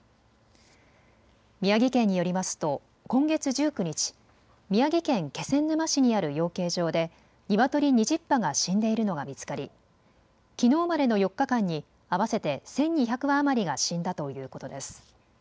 宮城県によりますと今月１９日、宮城県気仙沼市にある養鶏場でニワトリ２０羽が死んでいるのが見つかりきのうまでの４日間に合わせて１２００羽余りが死んだということです。